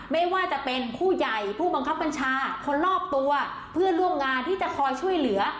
ไม่ว่าจะเป็นผู้ใหญ่ผู้บังคับบัญชาคนรอบตัวเพื่อนร่วมงานที่จะคอยช่วยเหลือ